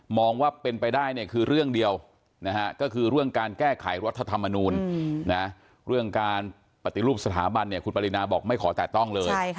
ว่าเป็นไปได้เนี่ยคือเรื่องเดียวก็คือเรื่องการแก้ไขรัฐธรรมนูลเรื่องการปฏิรูปสถาบันเนี่ยคุณปรินาบอกไม่ขอแตะต้องเลย